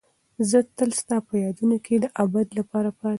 زه تل ستا په یادونو کې د ابد لپاره پاتې یم.